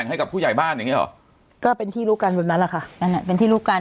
คนละ๕๐๐๐ผู้ใหญ่บอกว่าอะไร